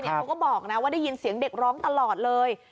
เขาก็บอกนะว่าได้ยินเสียงเด็กร้องตลอดเลย